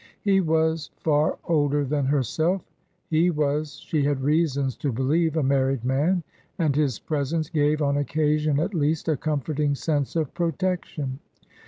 He was far older than herself; he was, she had reasons to believe, a married man, and his presence gave, on occasion at least, a comforting sense of protection.